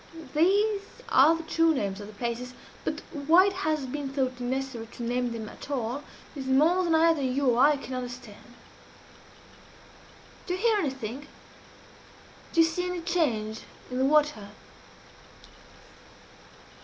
These are the true names of the places but why it has been thought necessary to name them at all is more than either you or I can understand. Do you hear anything? Do you see any change in the water?"